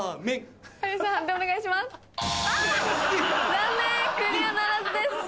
残念クリアならずです。